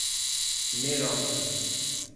Nerópolis